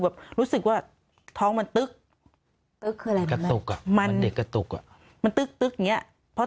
แบบรู้สึกว่าท้องมันตึ๊กมันเหมือนเด็กกระตุกมันตึ๊กนี้เพราะ